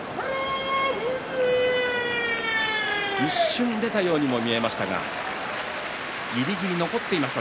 一瞬出たようにも見えましたがぎりぎり残っていました